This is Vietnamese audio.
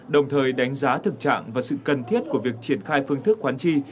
đồng thời đánh giá thực trạng và sự cần thiết của việc triển khai phương thức khoán chi